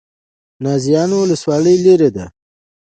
نازیانو ولسوالۍ لیرې ده؟